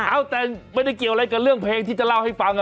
เอ้าแต่ไม่ได้เกี่ยวอะไรกับเรื่องเพลงที่จะเล่าให้ฟัง